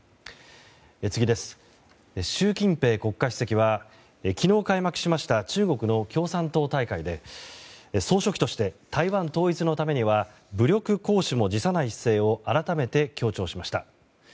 習近平国家主席は昨日開幕しました中国の共産党大会で総書記として台湾統一のためには武力行使も辞さない姿勢を改めて強調しました。